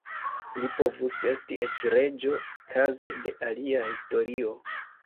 Li povus esti eĉ reĝo kaze de alia historio.